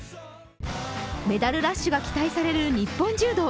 メダルラッシュが期待される日本柔道。